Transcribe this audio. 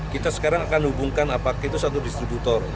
kita sekarang akan hubungkan apakah itu satu distributor